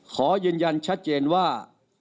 ขอยืนยันชัดเจนว่า